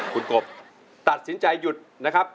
คุณกบตัดสินใจหยุดนะครับ